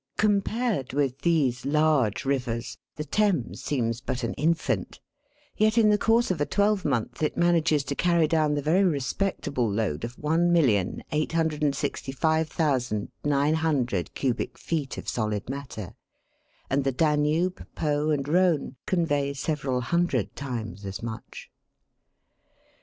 Compared with these large rivers, the Thames seems but an infant, yet in the course of a twelvemonth it manages to carry down the very respectable load of 1,865,900 cubic feet of solid matter, and the Danube, Po, and Rhone, convey several hundred times as much.